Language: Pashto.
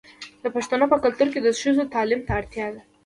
د پښتنو په کلتور کې د ښځو تعلیم ته اړتیا ده.